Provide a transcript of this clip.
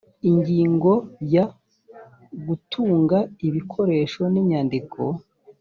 ingingo ya gutunga ibikoresho n inyandiko